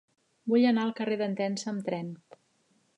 Vull anar al carrer d'Entença amb tren.